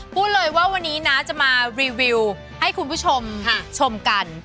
พูดเลยว่าวันนี้นะจะมารีวิวให้คุณผู้ชมชมกัน